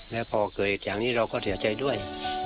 แล้วพอเกิดอย่างนี้เราก็เสียใจด้วย